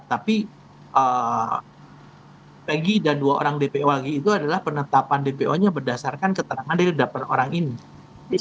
tapi pegi dan dua orang dpo lagi itu adalah penetapan dpo nya berdasarkan keterangan dari delapan orang ini